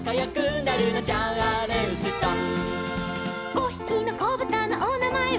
「５ひきのこぶたのおなまえは」